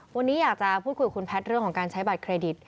วันนี้อยากจะพูดคุยกับคุณแพทย์เรื่องของการใช้บัตรเครดิต